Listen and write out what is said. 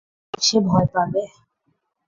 শয়তানের পথে চলতে সে ভয় পাবে।